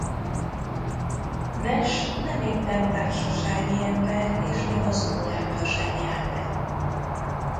Nash nem éppen társasági ember és még az órákra sem jár be.